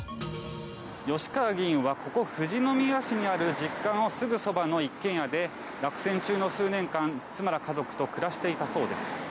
吉川議員はここ富士宮市にある実家のすぐそばの一軒家で落選中の数年間妻ら家族と暮らしていたそうです。